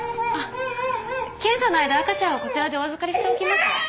検査の間赤ちゃんはこちらでお預かりしておきますね。